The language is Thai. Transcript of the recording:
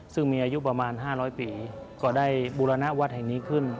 ซึ่งมีอายุประมาณ๕๐๐ปีก็ได้บูรณวัดแห่งนี้ขึ้น